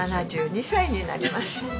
７２歳になります。